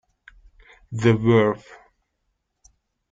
The Verve.